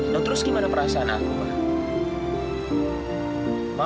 loh terus gimana perasaan aku ma